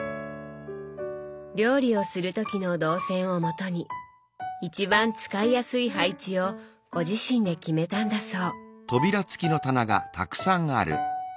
料理をする時の動線をもとに一番使いやすい配置をご自身で決めたんだそう。